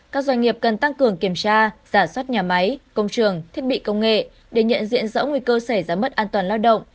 các doanh nghiệp cần tăng cường kiểm tra giả soát nhà máy công trường thiết bị công nghệ để nhận diện rõ nguy cơ xảy ra mất an toàn lao động